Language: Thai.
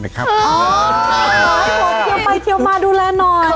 เที่ยวไปเที่ยวมาดูแลหน่อย